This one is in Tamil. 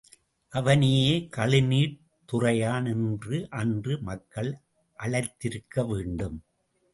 அவனையே கழுநீர்த் துறையான் என்று அன்று மக்கள் அழைத்திருக்க வேண்டும்.